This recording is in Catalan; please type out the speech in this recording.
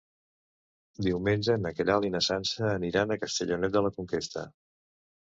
Diumenge na Queralt i na Sança aniran a Castellonet de la Conquesta.